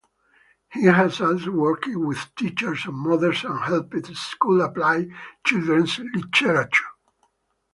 He has also worked with teachers and mothers and helped schools apply children’s literature.